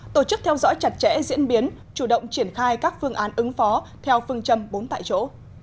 tổ chức theo dõi chặt chẽ diễn biến chủ động triển khai các phương án ứng phó theo phương châm bốn tại chỗ